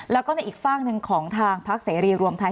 แล้วก็ในอีกฝากหนึ่งของทางพักเสรีรวมไทย